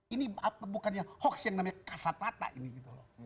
ini bukannya hoax yang namanya kasat mata ini gitu loh